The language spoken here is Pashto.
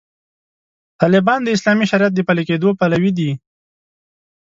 طالبان د اسلامي شریعت د پلي کېدو پلوي دي.